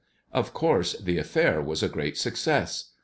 Of course the affair was a great success.